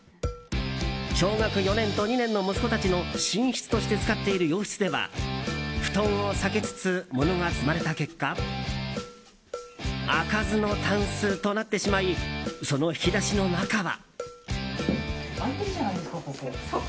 小学４年と２年の息子たちの寝室として使っている洋室では布団を避けつつ物が積まれた結果開かずのたんすとなってしまいその引き出しの中は。